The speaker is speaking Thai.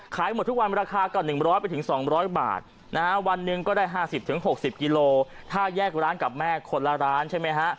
หมดทุกวันราคาก็๑๐๐๒๐๐บาทนะฮะวันหนึ่งก็ได้๕๐๖๐กิโลถ้าแยกร้านกับแม่คนละร้านใช่ไหมฮะ